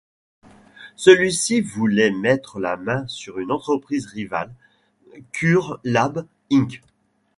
Celui-ci voulait mettre la main sur une entreprise rivale, CureLab Inc.